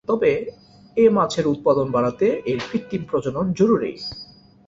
তবে এ মাছের উৎপাদন বাড়াতে এর কৃত্রিম প্রজনন জরুরি।